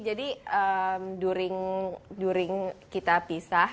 jadi during kita pisah